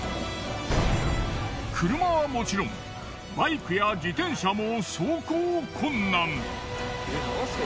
車はもちろんバイクや自転車もえっなんすか！？